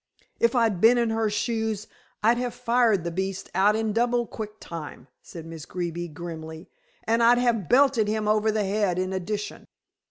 "If I'd been in her shoes I'd have fired the beast out in double quick time," said Miss Greeby grimly. "And I'd have belted him over the head in addition."